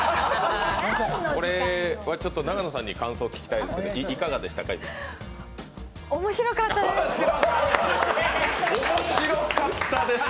これは永野さんに感想を聞きたいんですけど、いかがでした？面白かったです。